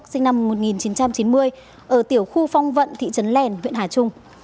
sinh năm một nghìn chín trăm chín mươi ở tiểu khu phong vận thị trấn lèn huyện hà trung